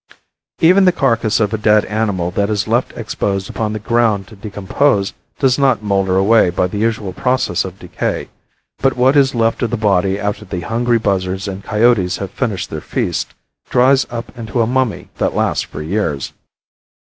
Even the carcass of a dead animal that is left exposed upon the ground to decompose does not moulder away by the usual process of decay, but what is left of the body after the hungry buzzards and coyotes have finished their feast, dries up into a mummy that lasts for years.